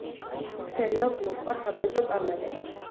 სერიალს მოჰყვა საკულტო წარმატებაც.